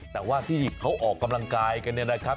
แต่ว่าที่เขาออกกำลังกายกันเนี่ยนะครับ